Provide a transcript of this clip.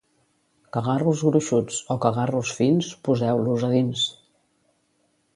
Cagarros gruixuts o cagarros fins, poseu-los a dins.